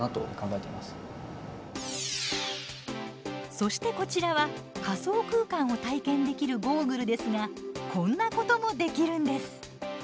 そして、こちらは仮想空間を体験できるゴーグルですがこんなこともできるんです。